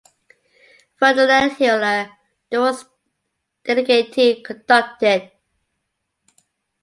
Ferdinand Hiller, the work's dedicatee, conducted.